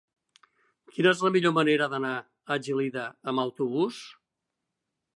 Quina és la millor manera d'anar a Gelida amb autobús?